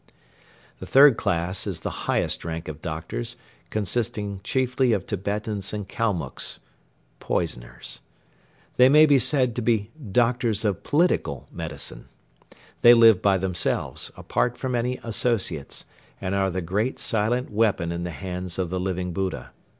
The third class is the highest rank of doctors, consisting chiefly of Tibetans and Kalmucks poisoners. They may be said to be "doctors of political medicine." They live by themselves, apart from any associates, and are the great silent weapon in the hands of the Living Buddha.